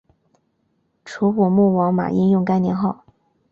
楚武穆王马殷用该年号。